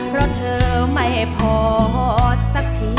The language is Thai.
เพราะเธอไม่พอสักที